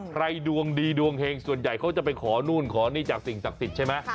ดวงดีดวงเฮงส่วนใหญ่เขาจะไปขอนู่นขอนี่จากสิ่งศักดิ์สิทธิ์ใช่ไหม